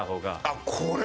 あっこれ？